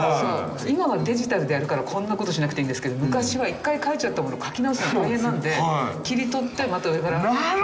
今はデジタルでやるからこんなことしなくていいんですけど昔は１回描いちゃったもの描き直すの大変なんで切り取ってまた上から貼り直す。